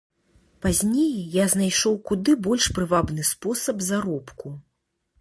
Пазней я знайшоў куды больш прывабны спосаб заробку.